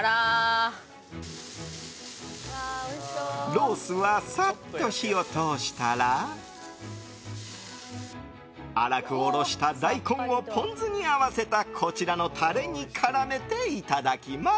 ロースはサッと火を通したら粗くおろした大根をポン酢に合わせたこちらのタレに絡めていただきます。